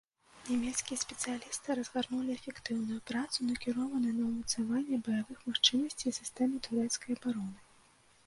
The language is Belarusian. Нямецкія спецыялісты разгарнулі эфектыўную працу, накіраваную на ўмацаванне баявых магчымасцей сістэмы турэцкай абароны.